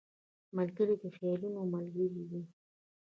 ملګری د خیالونو ملګری وي